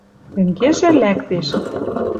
Тенгежӹ лӓктеш: